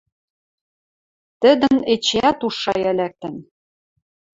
Тӹдӹн эчеӓт у шая лӓктӹн: